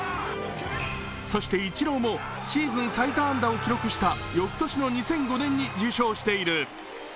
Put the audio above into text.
そしてイチローも、シーズン最多安打を記録した翌年の２００５年に受賞している。